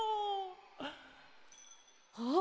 あっ！